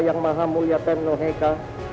yang maha mulia temno heka